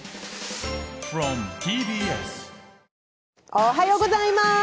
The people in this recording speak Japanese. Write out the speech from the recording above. おはようございます！